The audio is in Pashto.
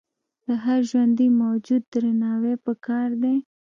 د هر ژوندي موجود درناوی پکار دی.